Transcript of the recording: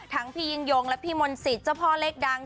พี่ยิ่งยงและพี่มนต์สิทธิ์เจ้าพ่อเลขดัง